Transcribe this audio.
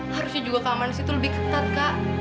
harusnya juga kamar di situ lebih ketat kak